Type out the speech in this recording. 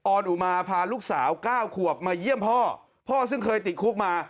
อนอุมาพาลูกสาวเก้าขวบมาเยี่ยมพ่อพ่อซึ่งเคยติดคุกมา